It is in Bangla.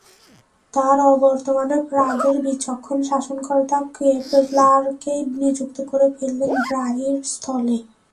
তাঁর অবর্তমানে প্রাগের বিচক্ষণ শাসনকর্তা কেপলারকেই নিযুক্ত করে ফেললেন ব্রাহির স্থলে।